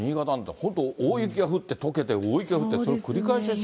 本当、大雪が降ってとけて、大雪が降って、その繰り返しでしょ？